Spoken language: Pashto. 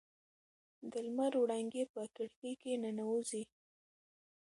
د لمر وړانګې په کړکۍ کې ننوځي.